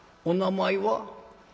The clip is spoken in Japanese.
「お名前は？」。